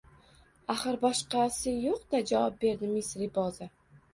Axir, boshqasi yo`qda, javob berdi miss Reboza